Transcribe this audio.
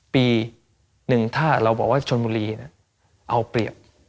ปี๑ถ้าเราบอกว่าชนบุรีเอาเปรียบ